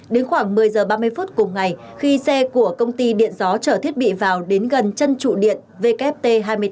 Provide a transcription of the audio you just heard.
đến khoảng một mươi h ba mươi phút cùng ngày khi xe của công ty điện gió trở thiết bị vào đến gần chân trụ điện wt hai mươi bốn